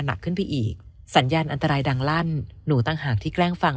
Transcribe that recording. หนักขึ้นไปอีกสัญญาณอันตรายดังลั่นหนูต่างหากที่แกล้งฟัง